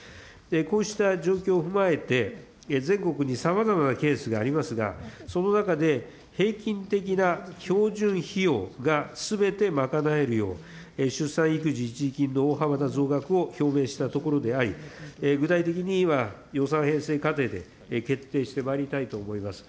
こうした状況を踏まえて、全国にさまざまなケースがありますが、その中で平均的な標準費用がすべて賄えるよう、出産育児一時金の大幅な増額を表明したところであり、具体的に今、予算編成過程で決定してまいりたいと思います。